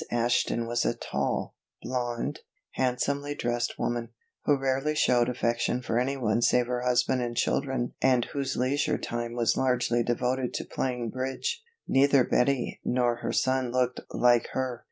Ashton was a tall, blonde, handsomely dressed woman, who rarely showed affection for anyone save her husband and children and whose leisure time was largely devoted to playing bridge. Neither Betty nor her son looked like her.